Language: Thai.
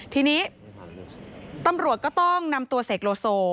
ทีนี้ตำรวจก็ต้องนำตัวเสกโลโซ